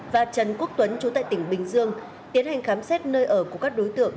và trần quốc tuấn chú tại tỉnh bình dương tiến hành khám xét nơi ở của các đối tượng